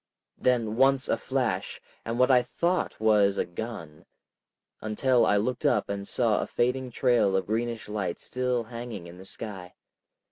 Then once a flash and what I thought was a gun, until I looked up and saw a fading trail of greenish light still hanging in the sky.